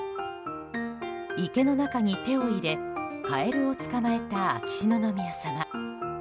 池の中に手を入れカエルを捕まえた秋篠宮さま。